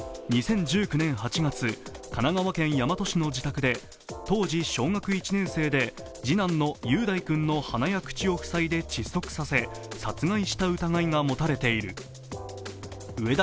２０１９年８月、神奈川県大和市の自宅で当時小学１年生で次男の雄大君の鼻や口を塞いで窒息させ殺害した疑いが持たれています。